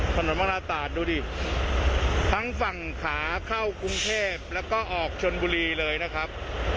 ถนนมราศาสตร์ดูดิทั้งฝั่งขาเข้ากรุงเทพแล้วก็ออกชนบุรีเลยนะครับ